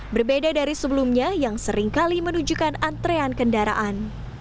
berbeda dari sebelumnya yang seringkali menunjukkan antrean kendaraan